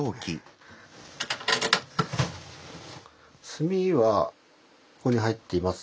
炭はここに入っています。